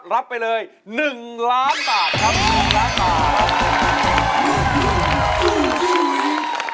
รับไปเลยหนึ่งล้านบาทครับ